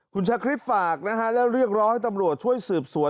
คุณชาคริสฝากนะฮะแล้วเรียกร้องให้ตำรวจช่วยสืบสวน